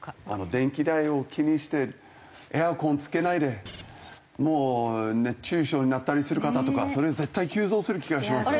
電気代を気にしてエアコンつけないでもう熱中症になったりする方とか絶対急増する気がしますよね。